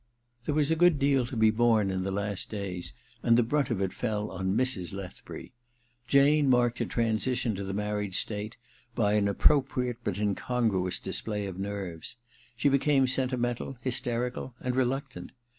There was a good deal to be borne in the last days, and the brunt of it fell on Mrs. Lethbury. Jane marked her transition to the married state by a seasonable but incongruous display of nerves. She became sentimental, hysterical and reluctant.